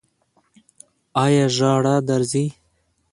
ایا ژړا درځي؟